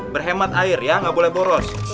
berhemat air ya nggak boleh boros